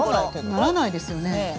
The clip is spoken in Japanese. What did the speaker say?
ならないですよね。